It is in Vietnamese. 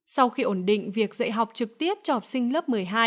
sau khi ổn định việc dạy học trực tiếp cho học sinh lớp một mươi hai